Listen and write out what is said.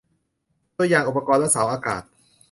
ตัวอย่างอุปกรณ์และเสาอากาศ